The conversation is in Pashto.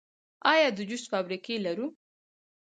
آیا د جوس فابریکې لرو؟